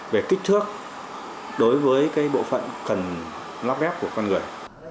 về kích thước đối với bộ phận cần lắp ghép của con người